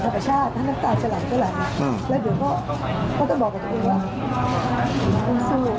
ภาพประชาตินักตาจะหลายแล้วเดี๋ยวก็ต้องบอกกับตัวเองว่าต้องสู้